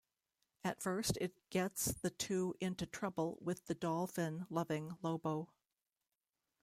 At first it gets the two into trouble with the dolphin loving Lobo.